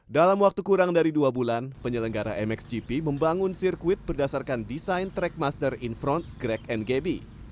dalam waktu kurang dari dua bulan penyelenggara mxgp membangun sirkuit berdasarkan desain trackmaster in front greg ngb